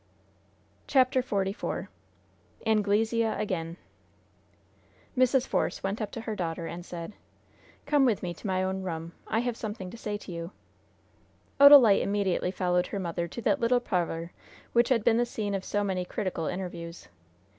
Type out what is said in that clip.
CHAPTER XLIV ANGLESEA AGAIN Mrs. Force went up to her daughter, and said: "Come with me to my own room. I have something to say to you." Odalite immediately followed her mother to that little parlor which had been the scene of so many critical interviews.